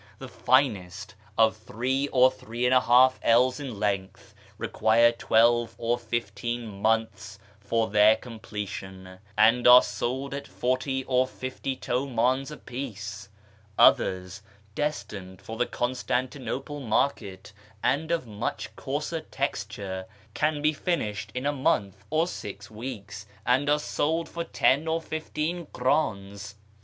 The finest, of three or three and a half ells in length, require twelve or fifteen months for their completion, and are sold at forty or fifty tiwidns a piece ; others, destined for the Constantinople market, and of much coarser texture, can be finished in a month or six weeks, and are sold for ten or fifteen krdns.